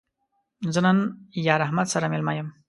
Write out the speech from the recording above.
زه نن یار احمد سره مېلمه یم